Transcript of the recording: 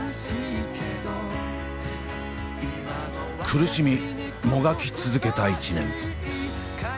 苦しみもがき続けた１年。